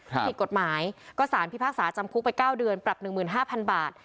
ผิดกฎหมายก็สารพิพากษาจำคุกไป๙เดือนปรับ๑๕๐๐๐บาท